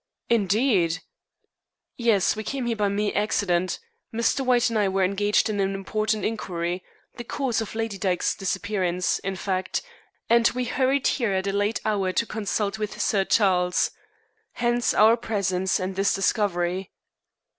"Indeed!" "Yes. We came here by mere accident. Mr. White and I were engaged in an important inquiry the cause of Lady Dyke's disappearance, in fact and we hurried here at a late hour to consult with Sir Charles. Hence our presence and this discovery."